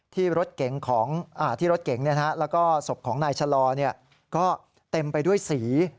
ที่รถเก๋งแล้วก็ศพของนายชะลอก็เต็มไปด้วยสี